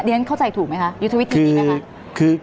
ฉันเข้าใจถูกไหมคะยุทธวิธีนี้ไหมคะ